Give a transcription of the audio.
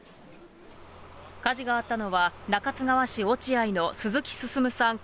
火事があったのは、中津川市落合の鈴木進さん